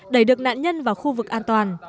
đẩy được nạn nhân vào khu vực an toàn